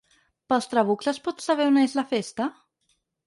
Pels trabucs es pot saber on és la festa?